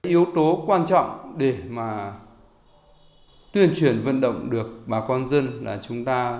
yếu tố quan trọng để mà tuyển chuyển vận động được bà con dân là chúng ta